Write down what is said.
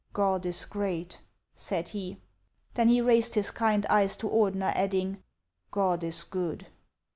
" God is great !" said he. Then he raised his kind eyes to Ordener, adding, " God is good